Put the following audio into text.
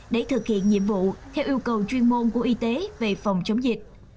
để thực hiện nhiệm vụ theo yêu cầu chuyên môn của y tế về phòng chống dịch